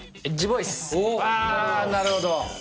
あなるほど！